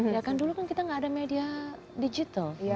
ya kan dulu kan kita nggak ada media digital